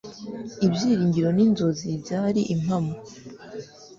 ibyiringiro n'inzozi byari impamo